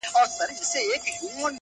نن به ریږدي د فرنګ د زوی ورنونه!.